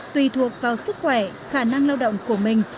tùy thuộc vào sức khỏe khả năng lao động của mình